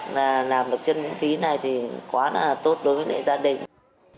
và làm được chân miễn phí này thì quá là tốt đối với gia đình